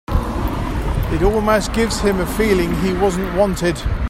It almost gives him a feeling he wasn't wanted.